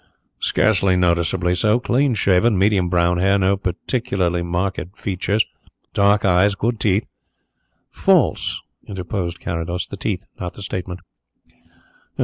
"Scarcely noticeably so. Clean shaven. Medium brown hair. No particularly marked features. Dark eyes. Good teeth." "False," interposed Carrados. "The teeth not the statement."